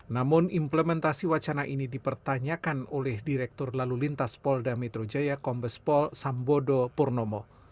namun implementasi wacana ini dipertanyakan oleh direktur lalu lintas polda metro jaya kombes pol sambodo purnomo